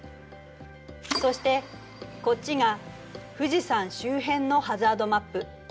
そしてこっちが富士山周辺のハザードマップ。